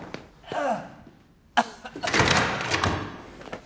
ああ！